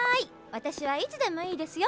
わたしはいつでもいいですよ。